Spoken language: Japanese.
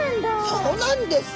そうなんです。